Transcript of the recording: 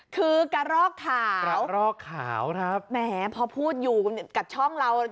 คือกระรอกขาวครับแหมพอพูดอยู่กับช่องเรา